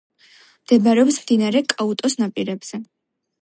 მდებარეობს მდინარე კაუტოს ნაპირებზე.